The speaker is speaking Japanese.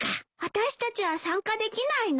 私たちは参加できないの？